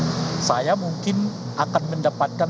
pertama adalah memastikan pemilu yang jujur dan adil bisa dikembangkan